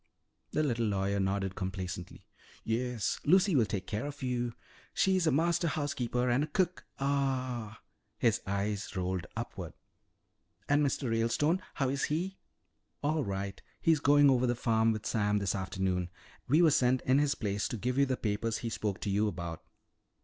The little lawyer nodded complacently. "Yes, Lucy will take care of you. She is a master housekeeper and cook ah!" His eyes rolled upward. "And Mr. Ralestone, how is he?" "All right. He's going over the farm with Sam this afternoon. We were sent in his place to give you the papers he spoke to you about."